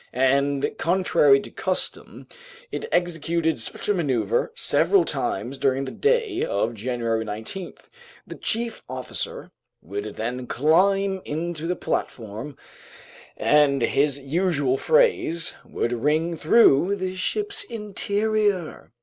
And, contrary to custom, it executed such a maneuver several times during that day of January 19. The chief officer would then climb onto the platform, and his usual phrase would ring through the ship's interior.